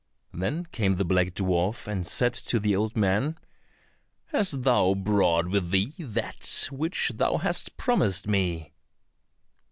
Then came the black dwarf and said to the old man, "Hast thou brought with thee that which thou hast promised me?"